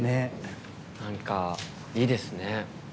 なんか、いいですね。